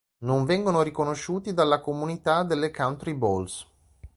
Non vengono riconosciuti dalla comunità delle countryballs.